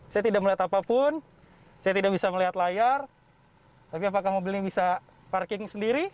saya tidak melihat apapun saya tidak bisa melihat layar tapi apakah mobil ini bisa parking sendiri